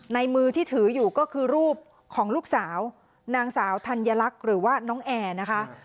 มือที่ถืออยู่ก็คือรูปของลูกสาวนางสาวธัญลักษณ์หรือว่าน้องแอร์นะคะ